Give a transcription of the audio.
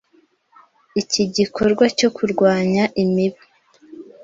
Iki gikorwa cyo kurwanya imibu